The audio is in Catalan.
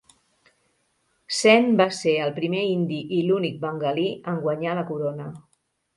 Sen va ser el primer indi i l'únic bengalí en guanyar la corona.